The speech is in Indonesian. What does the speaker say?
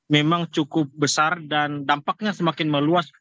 memang cukup besar dan dampaknya semakin meluas